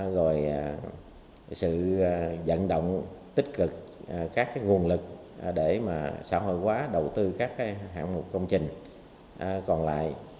rồi sự dẫn động tích cực các nguồn lực để xã hội hóa đầu tư các hạng mục công trình còn lại